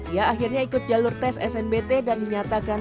ia akhirnya ikut jalur tes snbt dan dinyatakan